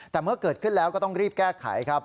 แต่เมื่อเกิดขึ้นแล้วก็ต้องรีบแก้ไขครับ